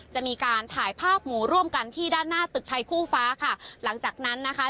จะมีการถ่ายภาพหมูร่วมกันที่ด้านหน้าตึกไทยคู่ฟ้าค่ะหลังจากนั้นนะคะ